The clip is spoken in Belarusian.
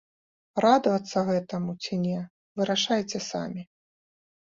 Радавацца гэтаму ці не, вырашайце самі.